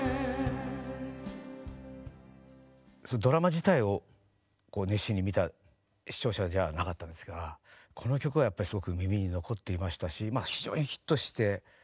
そのドラマ自体を熱心に見た視聴者じゃあなかったんですがこの曲はやっぱりすごく耳に残っていましたしまあ非常にヒットして。